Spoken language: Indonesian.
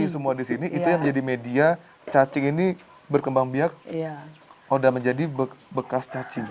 jadi semua di sini itu yang menjadi media cacing ini berkembang biak sudah menjadi bekas cacing